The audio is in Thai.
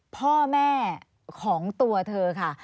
พ่อแม่ของตัวเธอค่ะ